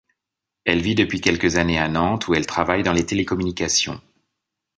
Elle vit depuis quelques années à Nantes où elle travaille dans les télécommunications.